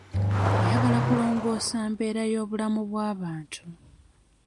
Ayagala kulongoosa mbeera y'obulamu bw'abantu.